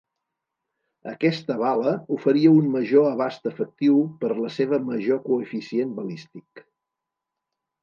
Aquesta bala oferia un major abast efectiu per la seva major coeficient balístic.